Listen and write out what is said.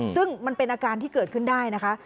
ซึ่งมันเป็นอาการที่เกิดขึ้นได้นะคะ